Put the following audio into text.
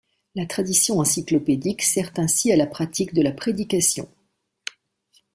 La tradition encyclopédique sert ainsi à la pratique de la prédication.